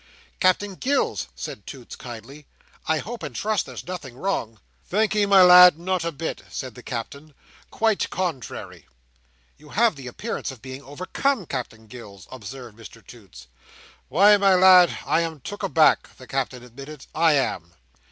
"Captain Gills," said Toots, kindly, "I hope and trust there's nothing wrong?" "Thank'ee, my lad, not a bit," said the Captain. "Quite contrairy." "You have the appearance of being overcome, Captain Gills," observed Mr Toots. "Why, my lad, I am took aback," the Captain admitted. "I am."